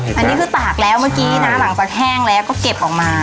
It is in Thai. อันนี้คือตากแล้วเมื่อกี้นะหลังจากแห้งแล้วก็เก็บออกมา